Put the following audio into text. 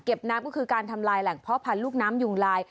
น้ำก็คือการทำลายแหล่งเพาะพันธุ์ลูกน้ำยุงลาย